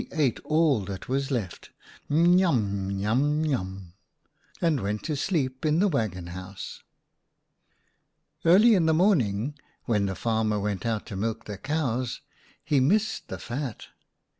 49 ate all that was left — n yum, n yum, n yum — and went to sleep in the waggon house. 11 Early in the morning, when the farmer went out to milk the cows, he missed the fat.